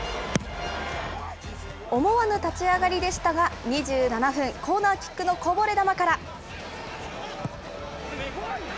思わぬ立ち上がりでしたが、２７分、コーナーキックのこぼれ球から。